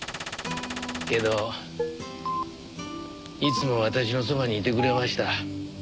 けどいつも私のそばにいてくれました。